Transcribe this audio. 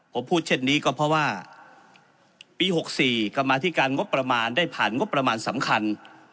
ผมพูดเช่นนี้ก็เพราะว่าปี๖๔กรรมาธิการงบประมาณได้ผ่านงบประมาณสำคัญ